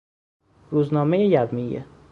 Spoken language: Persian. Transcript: روزنامهی یومیه